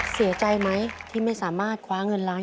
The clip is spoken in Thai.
เสียใจไหมที่ไม่สามารถคว้าเงินล้าน